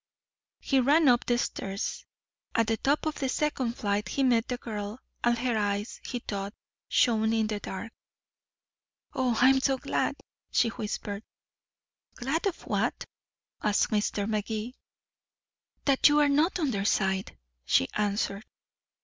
He ran up the stairs. At the top of the second flight he met the girl, and her eyes, he thought, shone in the dark. "Oh, I'm so glad," she whispered. "Glad of what?" asked Magee. "That you are not on their side," she answered. Mr.